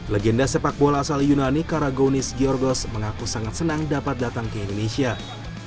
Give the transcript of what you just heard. legenda sepak bola asal yunani karagonis giorgos mengaku sangat senang dapat datang ke indonesia